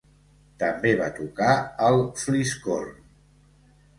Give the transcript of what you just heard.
També va tocar el fliscorn.